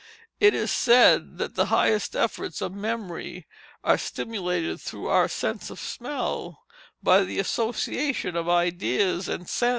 It is said that the highest efforts of memory are stimulated through our sense of smell, by the association of ideas with scents.